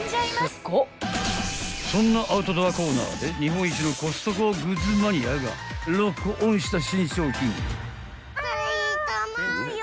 ［そんなアウトドアコーナーで日本一のコストコグッズマニアがロックオンした新商品］